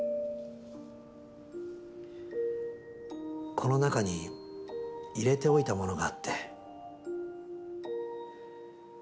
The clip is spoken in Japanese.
この中に入れておいたものがあって。